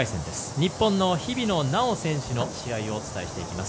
日本の日比野菜緒選手の試合をお伝えしていきます。